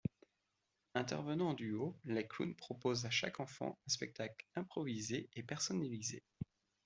Intervenant en duo, les clowns proposent à chaque enfant un spectacle improvisé et personnalisé.